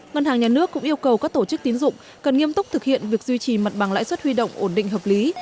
ngân hàng nhà nước cũng yêu cầu các tổ chức tín dụng cần nghiêm túc thực hiện việc duy trì mặt bằng lãi suất huy động ổn định hợp lý